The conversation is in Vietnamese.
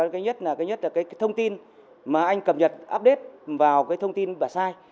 cái nhất là cái thông tin mà anh cập nhật update vào cái thông tin bà sai